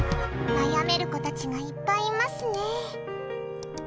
悩める子たちがいっぱいいますね。